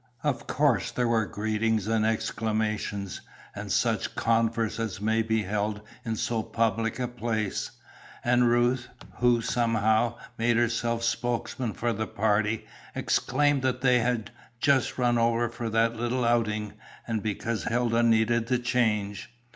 Of course there were greetings and exclamations, and such converse as may be held in so public a place; and Ruth, who, somehow, made herself spokesman for the party, exclaimed that they had "just run over for that little outing, and because Hilda needed the change.